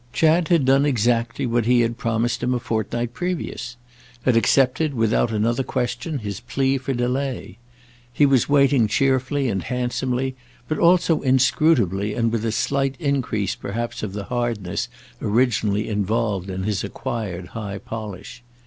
Chad had done exactly what he had promised him a fortnight previous—had accepted without another question his plea for delay. He was waiting cheerfully and handsomely, but also inscrutably and with a slight increase perhaps of the hardness originally involved in his acquired high polish.